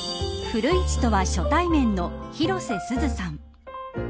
古市とは初対面の広瀬すずさん。